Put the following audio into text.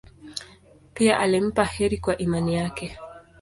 Pia alimpa heri kwa imani yake.